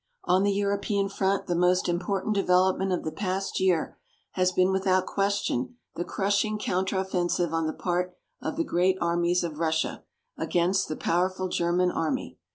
On the European front the most important development of the past year has been without question the crushing counteroffensive on the part of the great armies of Russia against the powerful German army.